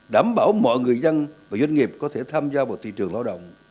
đảm bảo mọi người dân và doanh nghiệp có thể tham gia vào thị trường lao động